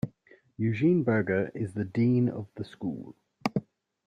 Eugene Burger is the Dean of the School.